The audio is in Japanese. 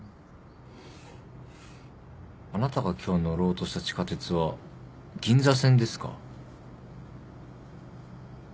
あなたが今日乗ろうとした地下鉄は銀座線ですか？